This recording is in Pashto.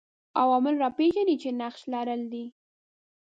عوامل راپېژني چې نقش لرلای دی